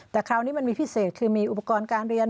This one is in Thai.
แต่คราวนี้มันมีพิเศษคือมีอุปกรณ์การเรียน